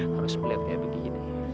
harus melihat kayak begini